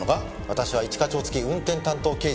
私は一課長付運転担当刑事です。